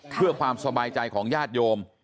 เพื่อความสบายใจของญาติโยม